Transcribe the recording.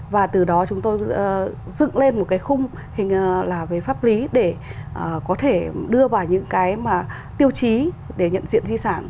và từ đó chúng tôi dựng lên một cái khung hình là về pháp lý để có thể đưa vào những cái tiêu chí để nhận diện di sản